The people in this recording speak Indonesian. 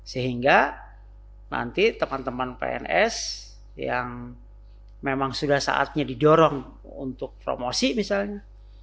sehingga nanti teman teman pns yang memang sudah saatnya didorong untuk promosi misalnya